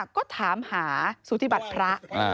ก็ถามหาสุธิบัติพระ